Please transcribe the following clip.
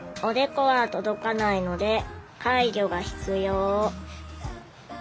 おでこは届かないので介助が必要。